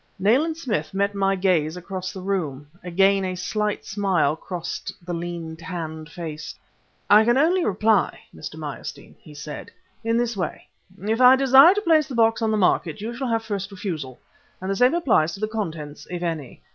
Nayland Smith met my gaze across the room; again a slight smile crossed the lean, tanned face. "I can only reply, Mr. Meyerstein," he said, "in this way: if I desire to place the box on the market, you shall have first refusal, and the same applies to the contents, if any.